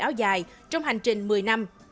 áo dài trong hành trình một mươi năm